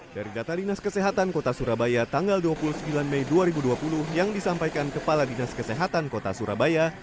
dari data dinas kesehatan kota surabaya tanggal dua puluh sembilan mei dua ribu dua puluh yang disampaikan kepala dinas kesehatan kota surabaya